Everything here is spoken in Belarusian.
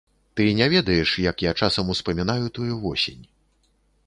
Ты не ведаеш, як я часам успамінаю тую восень.